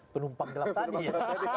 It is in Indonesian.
penumpang gelap tadi ya